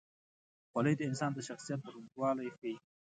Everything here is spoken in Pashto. خولۍ د انسان د شخصیت دروندوالی ښيي.